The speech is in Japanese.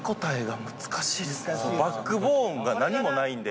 バックボーンが何もないんで。